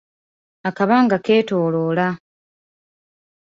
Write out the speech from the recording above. Akabanga keetooloola.